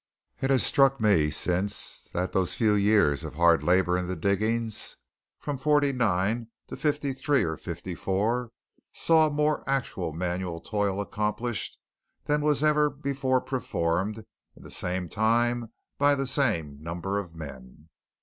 It has struck me since that those few years of hard labour in the diggings, from '49 to '53 or '54, saw more actual manual toil accomplished than was ever before performed in the same time by the same number of men.